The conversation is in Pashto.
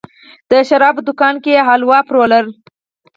د شرابو دوکان کې یې حلوا پلورله.